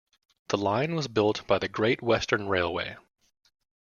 The line was built by the Great Western Railway.